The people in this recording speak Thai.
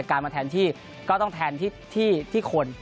การมาแทนที่ก็ต้องแทนที่คน